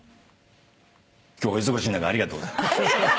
「今日はお忙しい中ありがとうございました」